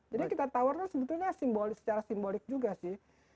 jadi kita tawarkan sebetulnya secara simbolik juga sih